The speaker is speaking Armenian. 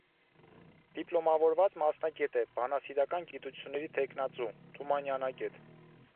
Դիպլոմավորված մասնագետ է՝ բանասիրական գիտությունների թեկնածու, թումանյանագետ։